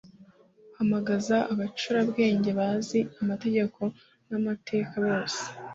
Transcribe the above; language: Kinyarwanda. hamagaza abacurabwenge bazi amategeko n amateka bose